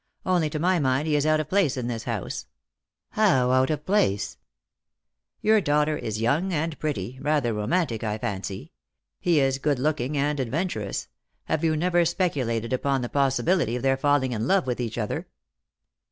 Only, to my mind, he is out of place in this house." " How out of place ?" "Tour daughter is young and pretty — rather romantic, I fancy. He is good looking and adventurous. Have you never speculated upon the possibility of their falling in love with each other